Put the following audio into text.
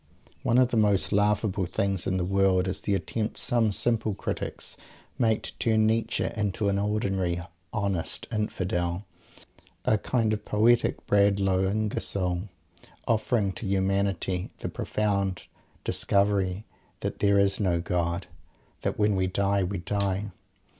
One of the most laughable things in the world is the attempt some simple critics make to turn Nietzsche into an ordinary "Honest Infidel," a kind of poetic Bradlaugh Ingersoll, offering to humanity the profound discovery that there is no God, and that when we die, we die!